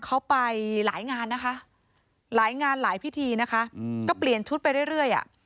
เขาไปหลายงานนะคะหลายงานหลายพิธีนะคะอืมก็เปลี่ยนชุดไปเรื่อยอ่ะ